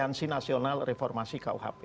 aliansi nasional reformasi kuhp